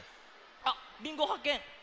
あっ「りんご」はっけん！